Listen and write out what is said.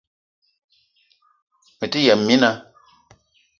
Mete yëm mina